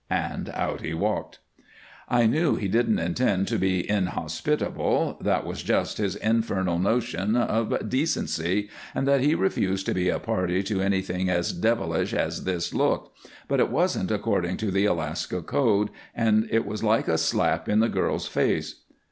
And out he walked. I knew he didn't intend to be inhospitable; that it was just his infernal notions of decency, and that he refused to be a party to anything as devilish as this looked but it wasn't according to the Alaska code, and it was like a slap in the girl's face.